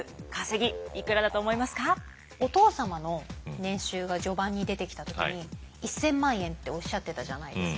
お父様の年収が序盤に出てきた時に１，０００万円っておっしゃってたじゃないですか。